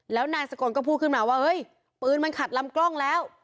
แล้วนายสกลก็พูดขึ้นมาว่าเฮ้ยปืนมันขัดลำกล้องแล้ว